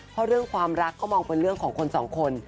เพราะเรื่องความรักก็มองเป็นเรื่องของคนสองคน